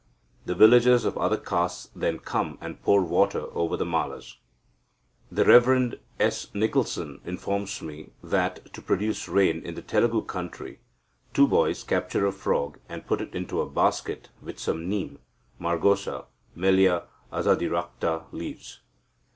The villagers of other castes then come and pour water over the Malas. The Rev. S. Nicholson informs me that, to produce rain in the Telugu country, two boys capture a frog, and put it into a basket with some nim (margosa, Melia Azadirachta) leaves.